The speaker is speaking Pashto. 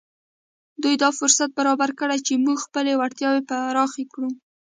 دوی دا فرصت برابر کړی چې موږ خپلې وړتیاوې پراخې کړو